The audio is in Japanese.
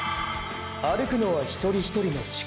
歩くのは１人１人の力。